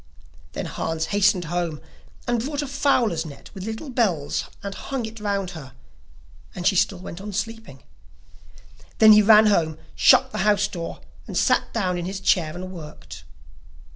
Then Hans hastened home and brought a fowler's net with little bells and hung it round about her, and she still went on sleeping. Then he ran home, shut the house door, and sat down in his chair and worked.